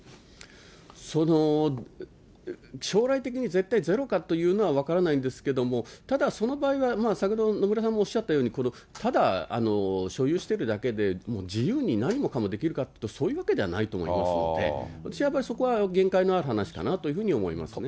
その将来的に絶対ゼロかというのは分からないんですけども、ただ、その場合は先ほど野村さんもおっしゃったように、ただ所有しているだけで、自由に何もかもできるかというと、そういうわけではないと思いますので、私はそこは限界のある話かなというふうに思いますね。